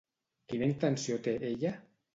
Quina intenció té ella?